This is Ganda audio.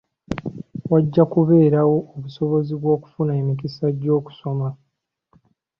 Wajja kubeerawo obusobozi bw'okufuna emikisa gy'okusoma.